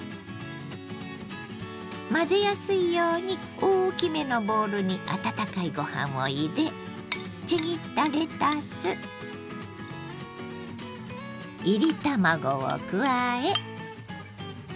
混ぜやすいように大きめのボウルに温かいご飯を入れちぎったレタスいり卵を加え。